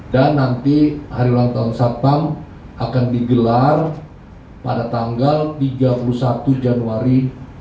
nanti hari ulang tahun satpam akan digelar pada tanggal tiga puluh satu januari dua ribu dua puluh